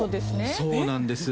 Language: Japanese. そうなんです。